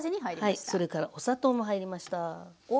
それからお砂糖も入りました。